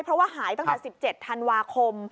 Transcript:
เพราะว่าหายตั้งแต่๑๗ธันวาคม